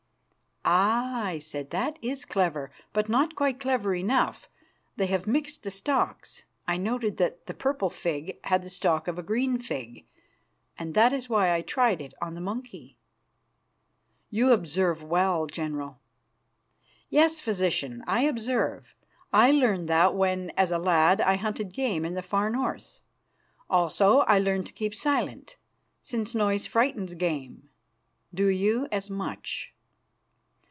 "Ah!" I said, "that is clever, but not quite clever enough. They have mixed the stalks. I noted that the purple fig had the stalk of a green fig, and that is why I tried it on the monkey." "You observe well, General." "Yes, Physician, I observe. I learned that when, as a lad, I hunted game in the far North. Also I learned to keep silent, since noise frightens game. Do you as much."